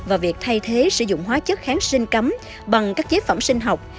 và việc thay thế sử dụng hóa chất kháng sinh cấm bằng các chế phẩm sinh học